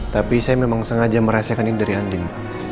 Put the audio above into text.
tapi saya memang sengaja merasakan ini dari andin